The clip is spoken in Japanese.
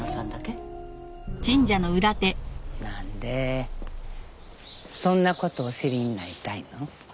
何でそんなことをお知りになりたいの？